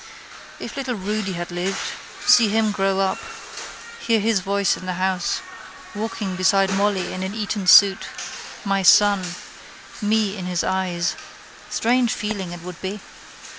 If little Rudy had lived. See him grow up. Hear his voice in the house. Walking beside Molly in an Eton suit. My son. Me in his eyes. Strange feeling it would be.